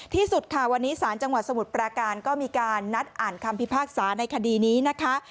ที่สุดค่ะวันนี้ศาลจังหวัดสมุทรปราการก็มีการนัดอ่านคำพิพากษาในคดีนี้นะคะ